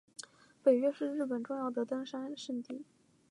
北岳是日本重要的登山圣地。